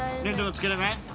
◆つけられない？